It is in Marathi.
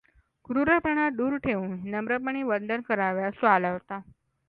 क्रूरपणा दूर ठेवून नम्रपणे वंदन करावयास तो आला होता.